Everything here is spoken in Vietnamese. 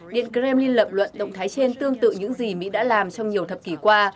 điện kremlin lập luận động thái trên tương tự những gì mỹ đã làm trong nhiều thập kỷ qua